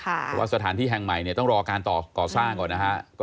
เพราะว่าสถานที่แห่งใหม่เนี่ยต้องรอการก่อสร้างก่อนนะฮะ